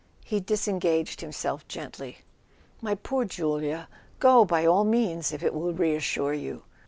He disengaged himself gently. "My poor Julia, go by all means if it will reassure you."